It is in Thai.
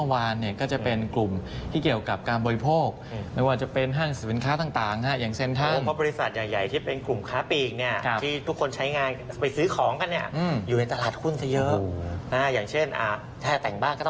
วันนี้ก็ปรับตัวได้ดีปรับตัวขึ้นนะ